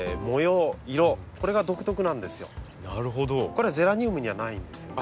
これはゼラニウムにはないんですよね。